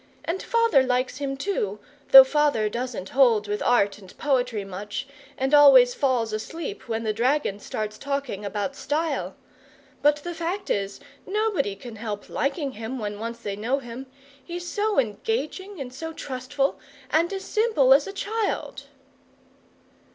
And father likes him too, though father doesn't hold with art and poetry much, and always falls asleep when the dragon starts talking about STYLE. But the fact is, nobody can help liking him when once they know him. He's so engaging and so trustful, and as simple as a child!"